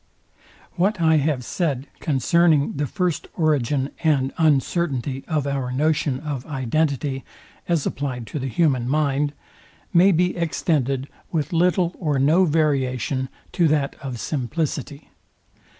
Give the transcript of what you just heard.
What I have said concerning the first origin and uncertainty of our notion of identity, as applied to the human mind, may be extended with little or no variation to that of simplicity.